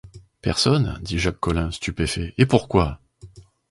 Personne? dit Jacques Collin stupéfait, et pourquoi ?